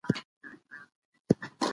ایا دا کلتوري نښه ستاسو د کلي نښه ده؟